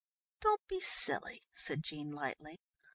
"Don't be silly," said Jean lightly.